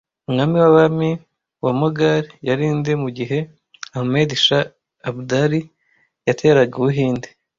Umwami w'abami wa Mogali yari nde mugihe Ahmed Shah Abdali yateraga Ubuhinde